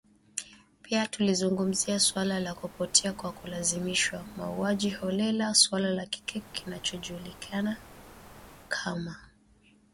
Pia tulizungumzia suala la kupotea kwa kulazimishwa, mauaji holela, suala la kile kinachojulikana kama “nyumba salama”.